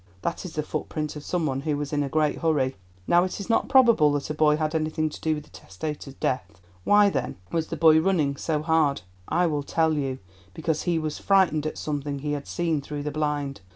That is the footprint of some one who was in a great hurry. Now it is not probable that a boy had anything to do with the testator's death. Why, then, was the boy running so hard? I will tell you: because he was frightened at something he had seen through the blind.